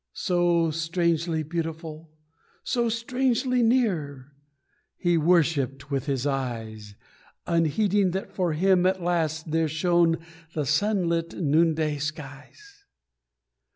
So strangely beautiful so strangely near He worshipped with his eyes, Unheeding that for him at last there shone The sunlit noonday skies.